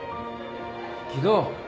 木戸。